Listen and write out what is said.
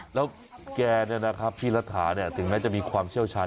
เพราะแกเนี่ยนะครับพี่รัฐาเนี่ยถึงน่าจะมีความเชี่ยวชาญ